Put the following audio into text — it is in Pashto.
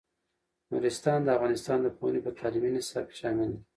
نورستان د افغانستان د پوهنې په تعلیمي نصاب کې شامل دی.